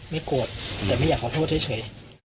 โกรธแต่ไม่อยากขอโทษเฉย